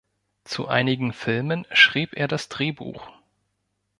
Zu einigen Filmen schrieb er das Drehbuch.